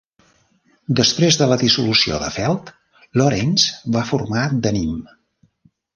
Després de la dissolució de Felt, Lawrence va formar Denim.